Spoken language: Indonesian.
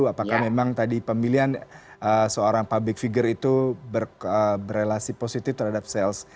apakah memang tadi pemilihan seorang public figure itu berrelasi positif terhadap sales